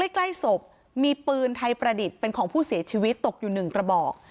ใกล้ศพมีปืนไทยประดิษฐ์เป็นของผู้เสียชีวิตตกอยู่๑กระบอก